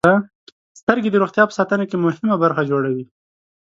• سترګې د روغتیا په ساتنه کې مهمه برخه جوړوي.